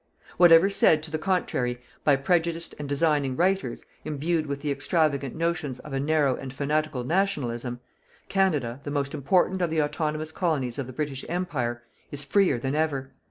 Whatever said to the contrary, by prejudiced and designing writers, imbued with the extravagant notions of a narrow and fanatical "Nationalism", Canada, the most important of the autonomous Colonies of the British Empire, is freer than ever.